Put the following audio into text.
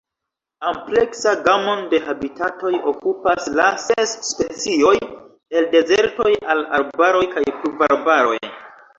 Ampleksa gamon de habitatoj okupas la ses specioj, el dezertoj al arbaroj kaj pluvarbaroj.